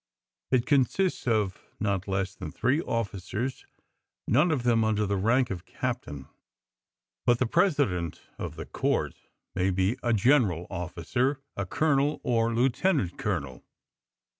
It consists of not less than three officers, none of them under the rank of captain, but SECRET HISTORY 169 the president of the court may be a general officer, a colonel, or lieutenant colonel.